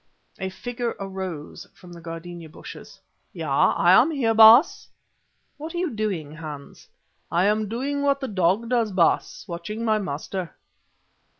A figure arose from the gardenia bushes. "Ja, I am here, Baas." "What are you doing, Hans?" "I am doing what the dog does, Baas watching my master."